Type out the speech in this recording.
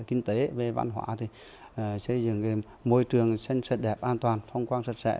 về kinh tế về văn hóa thì xây dựng môi trường xanh sật đẹp an toàn phong quang sật sẻ